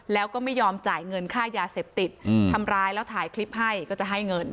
แล้วก็ไม่ยอมจ่ายเงินค่ายาเสพติดทำร้ายแล้วถ่ายคลิปให้ก็จะให้เงิน